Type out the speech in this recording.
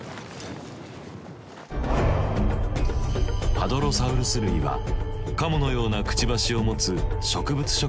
ハドロサウルス類はカモのようなくちばしを持つ植物食恐竜。